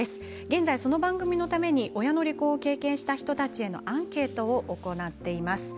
現在、その番組のために親の離婚を経験した人たちへのアンケートを行っています。